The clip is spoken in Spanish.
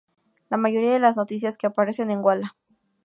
La mayoría de las noticias que aparecen en Walla!